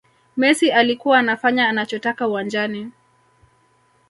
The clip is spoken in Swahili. messi alikuwa anafanya anachotaka uwanjani